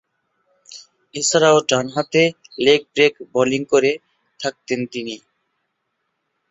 এছাড়াও, ডানহাতে leg break bowling করে থাকেন তিনি।